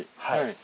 はい。